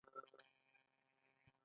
آیا له تیرو تر ننه نه دی؟